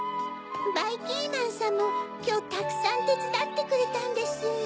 ばいきんまんさんもきょうたくさんてつだってくれたんです。